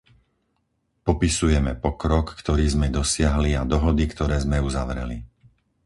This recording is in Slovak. Popisujeme pokrok, ktorý sme dosiahli a dohody, ktoré sme uzavreli.